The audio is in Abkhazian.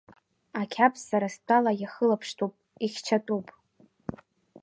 Ақьабз сара стәала иахылаԥштәуп, ихьчатәуп.